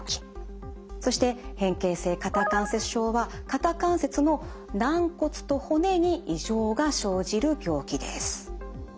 そして変形性肩関節症は肩関節の軟骨と骨に異常が生じる病気です。